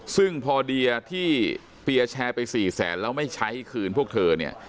ซึ่งพอเดียที่เปียร์แชร์ไปสี่แสนแล้วไม่ใช้คืนพวกเธอเนี่ย